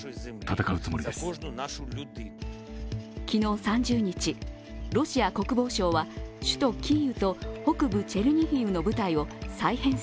昨日３０日、ロシア国防省は首都キーウと北部チェルニヒフの部隊を再編